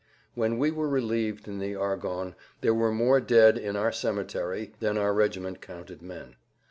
When we were relieved in the Argonnes there were more dead in our cemetery than our regiment counted men.